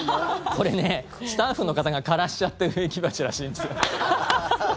これね、スタッフの方が枯らしちゃった植木鉢らしいんですよ。